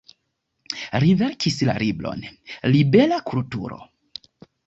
Li verkis la libron "Libera kulturo".